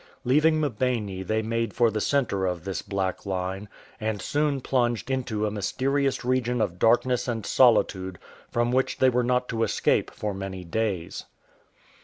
Leaving Mbeni they made for the centre of this black line, and soon plunged into a mysterious region of darkness and soli tude from which they were not to escape for many days.